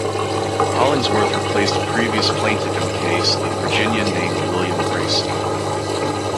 Hollingsworth replaced a previous plaintiff in the case, a Virginian named William Grayson.